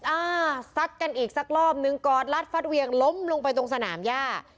อ่าซัดกันอีกสักรอบนึงกอดรัดฟัดเวียงล้มลงไปตรงสนามย่า